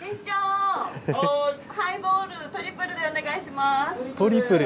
店長、ハイボール、トリプルお願いします。